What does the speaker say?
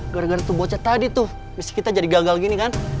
gara gara tuh bocah tadi tuh kita jadi gagal gini kan